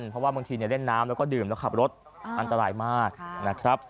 เพราะว่าบางทีเล่นน้ำแล้วก็ดื่มแล้วขับรถอันตรายมากนะครับ